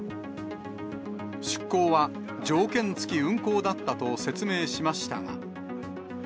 出航は条件付き運航だったと説明しましたが。